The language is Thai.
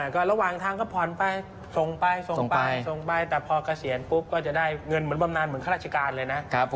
ก็ระหว่างทางก็ผ่อนไปส่งไปส่งไปส่งไปแต่พอเกษียณปุ๊บก็จะได้เงินเหมือนบำนานเหมือนข้าราชการเลยนะ